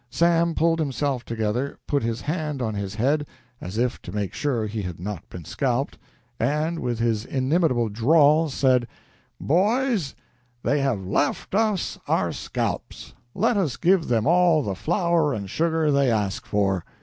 Sam pulled himself together, put his hand on his head, as if to make sure he had not been scalped, and, with his inimitable drawl, said 'Boys, they have left us our scalps. Let us give them all the flour and sugar they ask for.'